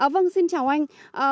vâng xin chào anh